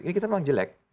ini kita memang jelek